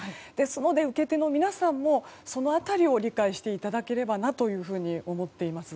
受け手の皆さんもその辺りを理解していただければなと思っています。